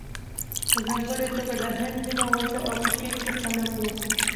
په ځانګړې توګه د هند نیمه وچه او چین کې خلک وو.